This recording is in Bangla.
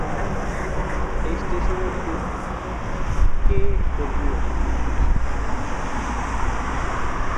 এই স্টেশনের কোড কেডব্লুএই।